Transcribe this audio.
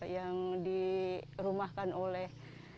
yang dirumahkan oleh